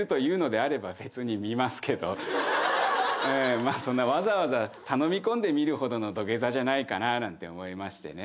まあそんなわざわざ頼み込んで見るほどの土下座じゃないかななんて思いましてね。